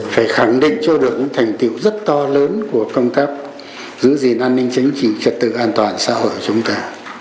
phải khẳng định cho được những thành tiệu rất to lớn của công tác giữ gìn an ninh chính trị trật tự an toàn xã hội chúng ta